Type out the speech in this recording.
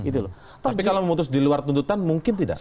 tapi kalau memutus di luar tuntutan mungkin tidak